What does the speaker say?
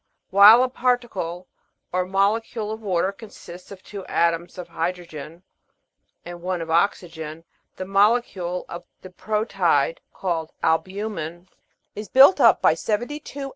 While a particle, or mole cule, of water consists of two atoms of hydrogen and one of oxygen, the molecule of the proteid called "albumen" is built 'Sir Ernest Rutherford.